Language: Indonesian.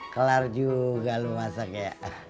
kelar juga lu masak ya